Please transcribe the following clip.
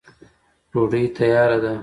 ډوډۍ تیاره ده.